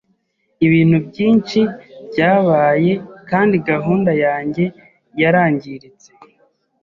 Ibintu byinshi byabaye kandi gahunda yanjye yarangiritse.